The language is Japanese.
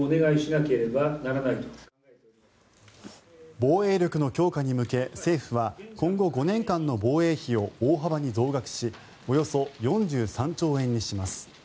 防衛力の強化に向け政府は今後５年間の防衛費を大幅に増額しおよそ４３兆円にします。